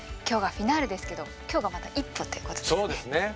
今日がフィナーレですけど今日がまた一歩っていうことですね。